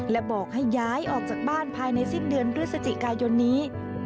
และบอกให้ย้ายออกจากบ้านภายในสิ้นเดือนพฤศจิกายนนี้